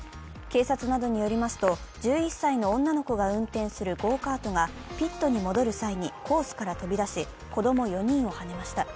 警察などによりますと、１１歳の女の子が運転するゴーカートがピットに戻る際にコースから飛び出し、子供４人をはねました。